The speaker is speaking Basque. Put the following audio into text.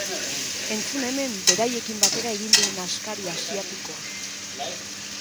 Entzun hemen beraiekin batera egin dugun askari asiatikoa!